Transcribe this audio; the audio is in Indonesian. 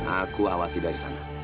aku awasi dari sana